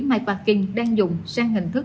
myparking đang dùng sang hình thức